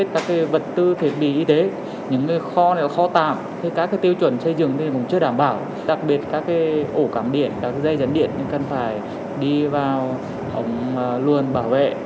các tiêu chuẩn xây dựng cũng chưa đảm bảo đặc biệt các ổ cắm điện các dây dấn điện cần phải đi vào hồng luồn bảo vệ